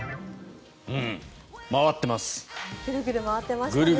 回ってます。